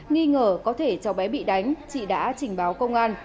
nghi ngờ có thể cháu bé bị đánh chị đã trình báo công an